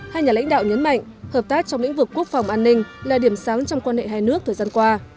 hai nhà lãnh đạo nhấn mạnh hợp tác trong lĩnh vực quốc phòng an ninh là điểm sáng trong quan hệ hai nước thời gian qua